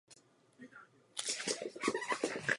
Na vznik zárodku dvojčat mají vliv také dědičné faktory.